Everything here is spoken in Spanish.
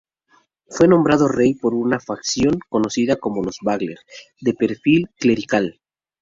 Fue nombrado rey por una facción conocida como los bagler, de perfil clerical.